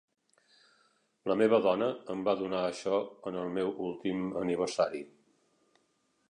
La meva dona em va donar això en el meu últim aniversari.